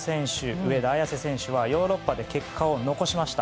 上田綺世選手はヨーロッパで結果を残しました。